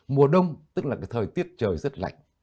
mùa đông tức là cái thời tiết trời rất lạnh